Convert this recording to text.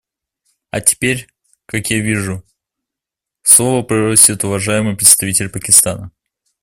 А теперь, как я вижу, слова просит уважаемый представитель Пакистана.